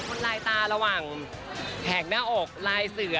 ลายตาระหว่างแหกหน้าอกลายเสือ